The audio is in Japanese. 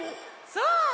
そう！